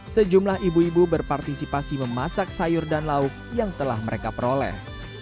sejumlah ibu ibu berpartisipasi memasak sayur dan lauk yang telah mereka peroleh